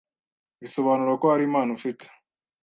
bisobanura ko hari impano ufite